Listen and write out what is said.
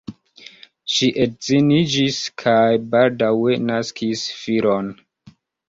Ŝi edziniĝis kaj baldaŭe naskis filon.